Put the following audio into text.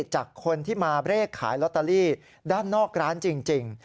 จากคนที่มาเลขขายลอตเตอรี่ด้านนอกร้านจริง